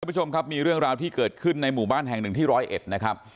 สวัสดีคุณผู้ชมครับมีเรื่องราวที่เกิดขึ้นในหมู่บ้านแห่งหนึ่งที่๑๐๑นะครับ